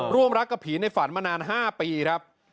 ร่วมรักกับผีในฝันมานาน๕ปีครับ